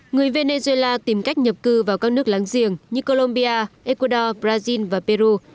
người venezuela tìm cách nhập cư vào các nước láng giềng như colombia ecuador brazil và peru